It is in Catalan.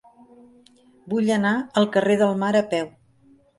Vull anar al carrer del Mar a peu.